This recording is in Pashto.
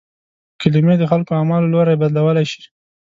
کلمې د خلکو اعمالو لوری بدلولای شي.